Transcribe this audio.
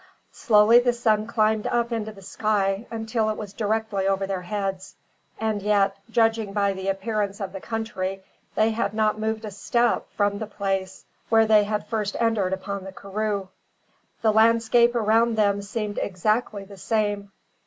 Slowly the sun climbed up into the sky, until it was directly over their heads; and yet, judging by the appearance of the country, they had not moved a step from the place where they had first entered upon the karroo. The landscape around them seemed exactly the same!